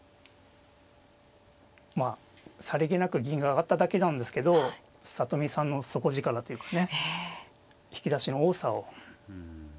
まあさりげなく銀が上がっただけなんですけど里見さんの底力というかね引き出しの多さを見えましたね。